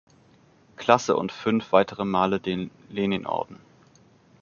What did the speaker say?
Klasse und fünf weitere Male den Leninorden